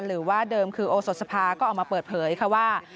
หรือว่าเดิมคือโอสดสภาก็ออกมาเปิดเผยค่ะว่า